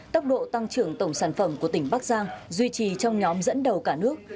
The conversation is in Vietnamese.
tốc độ tăng trưởng tổng sản phẩm của tỉnh bắc giang duy trì trong nhóm dẫn đầu cả nước